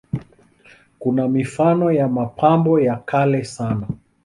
Kuna mifano ya mapambo ya kale sana.